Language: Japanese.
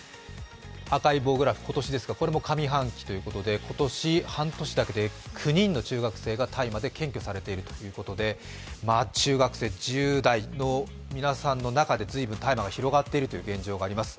赤い棒グラフ、今年ですがこれも上半期ですが今年半年だけで９人の中学生が大麻で検挙されているということで中学生、１０代の皆さんの中で随分大麻が広がっているという現状があります。